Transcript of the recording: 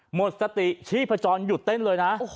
หมดสติชีพจรหยุดเต้นเลยนะ